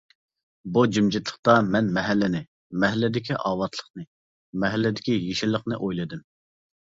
بۇ جىمجىتلىقتا مەن مەھەلىنى، مەھەللىدىكى ئاۋاتلىقىنى، مەھەللىدىكى يېشىللىقىنى ئويلىدىم.